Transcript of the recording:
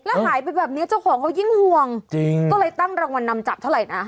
แล้วหายไปแบบนี้เจ้าของเขายิ่งห่วงจริงก็เลยตั้งรางวัลนำจับเท่าไหร่นะ